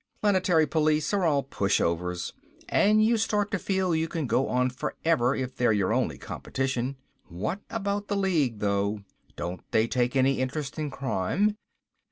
Planetary police are all pushovers and you start to feel you can go on forever if they're your only competition. What about the League though? Don't they take any interest in crime?